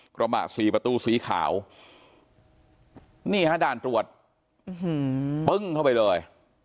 กระบะสี่ประตูสีขาวนี่ฮะด่านตรวจปึ้งเข้าไปเลย